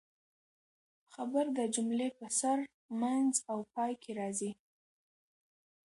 خبر د جملې په سر، منځ او پای کښي راځي.